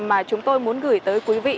mà chúng tôi muốn gửi tới quý vị